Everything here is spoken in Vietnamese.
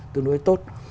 tương đối tốt